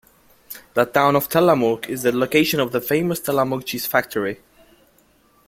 The town of Tillamook is the location of the famous Tillamook Cheese Factory.